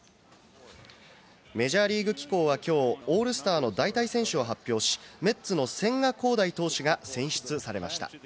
メジャーリーグ機構はきょう、オールスターの代替選手を発表し、メッツの千賀滉大投手が選出されました。